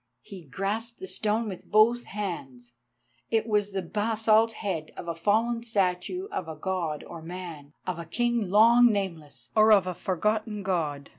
He grasped the stone with both hands; it was the basalt head of a fallen statue of a God or a man, of a king long nameless, or of a forgotten God.